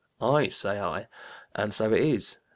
'Aye,' say I, 'and so it is.'